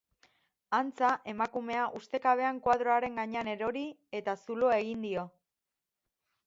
Antza, emakumea ustekabean koadroaren gainean erori eta zuloa egin dio.